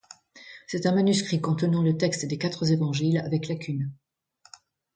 C'est un manuscrit contenant le texte des quatre Évangiles avec lacunes.